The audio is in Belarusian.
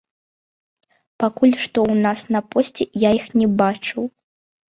Пакуль што ў нас на посце я іх не бачыў.